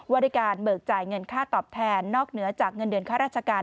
ว่าด้วยการเบิกจ่ายเงินค่าตอบแทนนอกเหนือจากเงินเดือนค่าราชการ